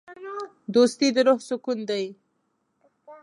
دوستي د روح سکون دی.